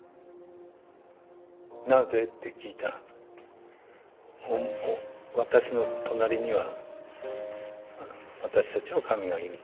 なぜって聞いたら私の隣には私たちの神がいる。